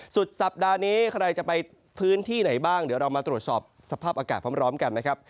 สุดสัปดาห์นี้ใครจะไปพื้นที่ไหนบ้างเดี๋ยวเรามาตรวจสอบสภาพอากาศพร้อมกันนะครับ